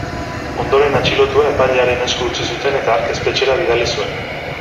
Ondoren atxilotua epailearen esku utzi zuten, eta hark espetxera bidali zuen.